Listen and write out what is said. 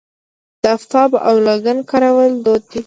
د افتابه او لګن کارول دود دی.